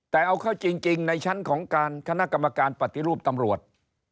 แต่เอาเข้าจริงในชั้นของการคณะกรรมการปฏิรูปตำรวจ